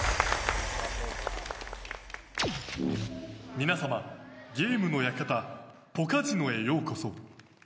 皆様、ゲームの館ポカジノへようこそ。